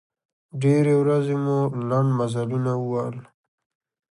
ډېرې ورځې مو لنډ مزلونه ووهل.